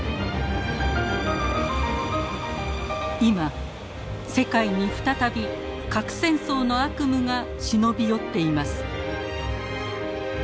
今世界に再び核戦争の悪夢が忍び寄っています。